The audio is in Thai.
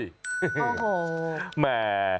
โอ้โหแหม